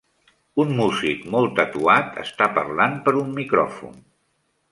Un músic molt tatuat està parlant per un micròfon.